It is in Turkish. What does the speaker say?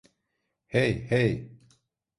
Hey, hey!